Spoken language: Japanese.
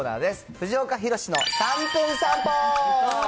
藤岡弘、の３分散歩。